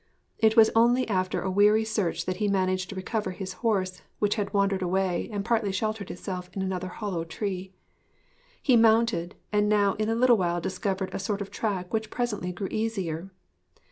It was only after a weary search that he managed to recover his horse, which had wandered away and partly sheltered itself in another hollow tree. He mounted, and now in a little while discovered a sort of track which presently grew easier.